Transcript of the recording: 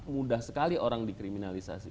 mudah sekali orang dikriminalisasi